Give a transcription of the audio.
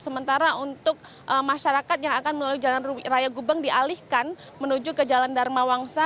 sementara untuk masyarakat yang akan melalui jalan raya gubeng dialihkan menuju ke jalan dharma wangsa